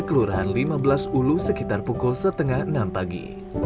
kelurahan lima belas ulu sekitar pukul setengah enam pagi